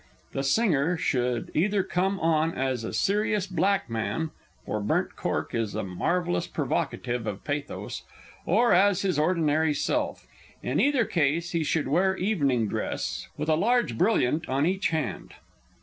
The singer should either come on as a serious black man for burnt cork is a marvellous provocative of pathos or as his ordinary self. In either case he should wear evening dress, with a large brilliant on each hand.